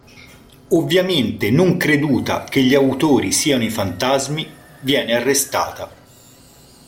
Ovviamente non creduta che gli autori siano i fantasmi, viene arrestata.